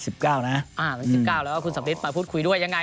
วันที่๑๙แล้วก็คุณสำริทมาพูดคุยด้วยยังไง